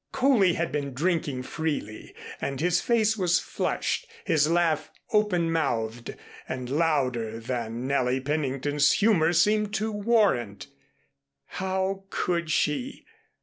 Coley had been drinking freely and his face was flushed, his laugh open mouthed and louder than Nellie Pennington's humor seemed to warrant. How could she?